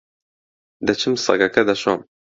دەچم سەگەکە دەشۆم.